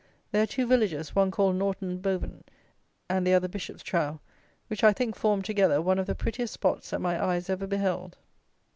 There are two villages, one called Norton Bovant, and the other Bishopstrow, which I think form, together, one of the prettiest spots that my eyes ever beheld.